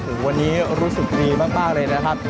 วันนี้รู้สึกดีมากเลยนะครับ